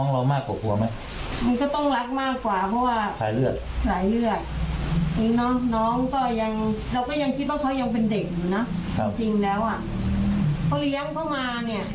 แล้วอ่ะเขาเลี้ยงเข้ามาเนี่ย